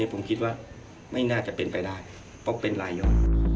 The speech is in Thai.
ผมคิดว่าไม่น่าจะเป็นไปได้เพราะเป็นรายย่อน